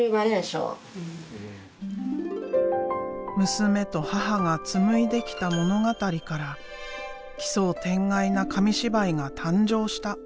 娘と母が紡いできた物語から奇想天外な紙芝居が誕生した。